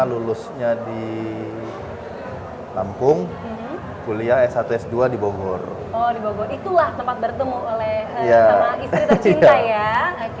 lulusnya di lampung kuliah s satu s dua di bogor itulah tempat bertemu oleh istri tercinta ya oke oke